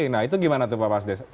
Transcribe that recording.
nah itu gimana tuh pak mas des